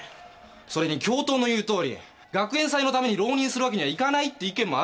それに教頭の言うとおり学園祭のために浪人するわけにはいかないって意見もあるんだ。